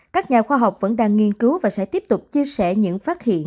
các nhà khoa học vẫn đang nghiên cứu và sẽ tiếp tục chia sẻ những phát hiện